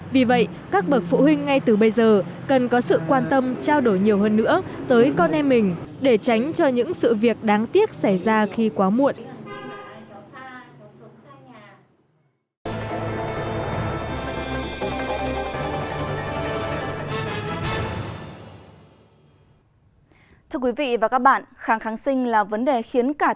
vì vậy các bậc phụ huynh ngay từ bây giờ cần có sự quan tâm trao đổi nhiều hơn nữa tới con em mình để tránh cho những sự việc đáng tiếc xảy ra khi quá muộn